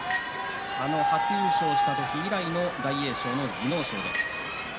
あの初優勝した時以来の大栄翔の技能賞です。